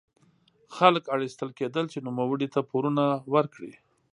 خلک اړ ایستل کېدل چې نوموړي ته پورونه ورکړي.